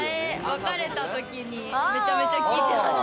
別れた時にめちゃめちゃ聴いてます。